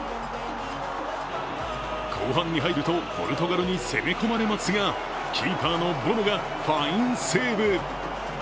後半に入ると、ポルトガルに攻め込まれますがキーパーのボノがファインセーブ。